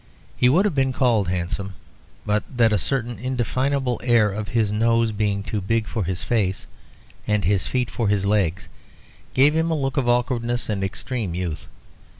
He would have been called handsome, but that a certain indefinable air of his nose being too big for his face, and his feet for his legs, gave him a look of awkwardness and extreme youth.